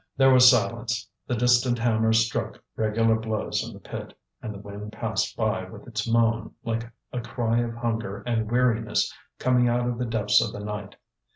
There was silence. The distant hammer struck regular blows in the pit, and the wind passed by with its moan, like a cry of hunger and weariness coming out of the depths of the night.